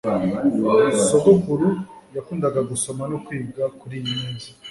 Sogokuru yakundaga gusoma no kwiga kuriyi meza.